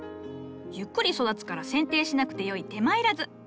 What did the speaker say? ゆっくり育つから剪定しなくてよい手間いらず。